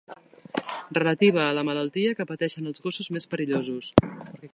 Relativa a la malaltia que pateixen els gossos més perillosos.